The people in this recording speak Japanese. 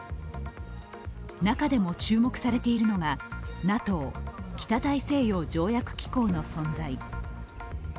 中でも注目されているのがＮＡＴＯ＝北大西洋条約機構の存在。